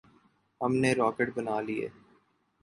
ہم نے راکٹ بنا لیے۔